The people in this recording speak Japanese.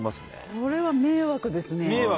これは迷惑ですね。